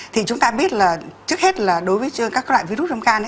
thì chúng ta biết là trước hết là đối với các loại virus trong can